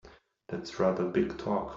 That's rather big talk!